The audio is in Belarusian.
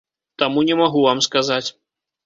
Таму не магу вам сказаць.